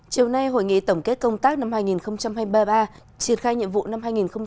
chiều nay hội nghị tổng kết công tác năm hai nghìn hai mươi ba triển khai nhiệm vụ năm hai nghìn hai mươi